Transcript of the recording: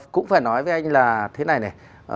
cũng phải nói với anh là thế này nè